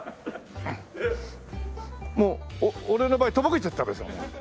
もう俺の場合とぼけちゃったでしょ。